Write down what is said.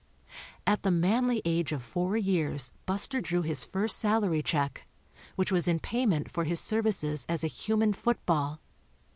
At the manly age of four years Buster drew his first salary check, which was in payment for his services as a human football.